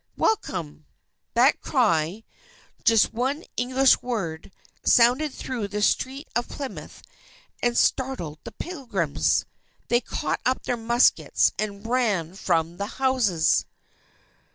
"Welcome!" That cry just one English word sounded through the street of Plymouth, and startled the Pilgrims. They caught up their muskets and ran from the houses.